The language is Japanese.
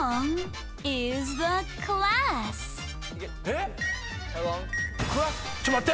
えっ！